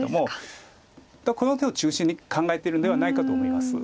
この手を中心に考えてるんではないかと思います。